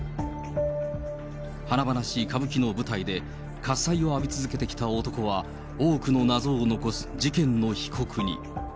華々しい歌舞伎の舞台で喝さいを浴び続けてきた男は、多くの謎を残す事件の被告に。